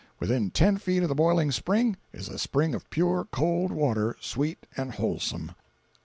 Within ten feet of the boiling spring is a spring of pure cold water, sweet and wholesome.